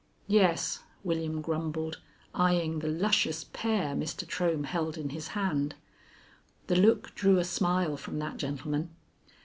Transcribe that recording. "Yes," William grumbled, eying the luscious pear Mr. Trohm held in his hand. The look drew a smile from that gentleman.